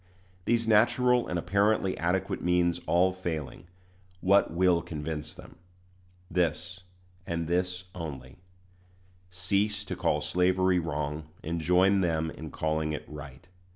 These natural and apparently adequate means all failing, what will convince them? This, and this only: cease to call slavery wrong, and join them in calling it right.